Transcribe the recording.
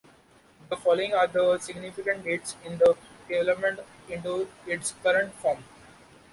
The following are the significant dates in the development into its current form.